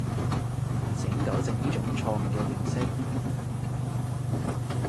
請糾正呢種錯誤嘅認識